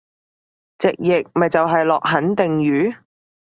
直譯咪就係落肯定雨？